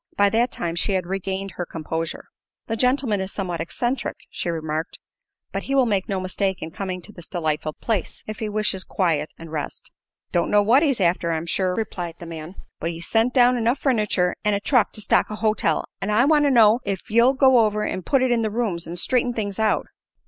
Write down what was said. By that time she had regained her composure. "The gentleman is somewhat eccentric," she remarked; "but he will make no mistake in coming to this delightful place, if he wishes quiet and rest." "Don't know what he's after, I'm sure," replied the man. "But he's sent down enough furniture an' truck to stock a hotel, an' I want to know ef you'll go over an' put it in the rooms, an' straighten things out."